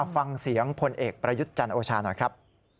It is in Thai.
ฟังเสียงพลเอกประยุทธ์จันทร์โอชาหน่อยครับ